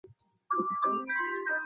তিনি ঘটনা নিয়ন্ত্রণে অক্ষম ছিলেন।